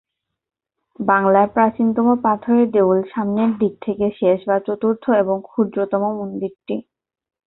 বাংলার প্রাচীনতম পাথরের দেউল সামনের দিক থেকে শেষ বা চতুর্থ এবং ক্ষুদ্রতম মন্দিরটি।